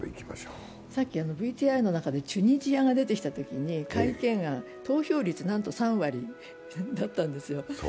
ＶＴＲの中でチュニジアが出てきたときに、投票率が僅か３割だったんですよ。